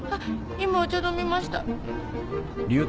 今お茶飲みました。